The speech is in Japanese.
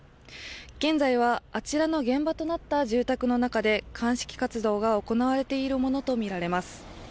現在はあちらの現場となった住宅の中で鑑識活動が行われているものとみられます。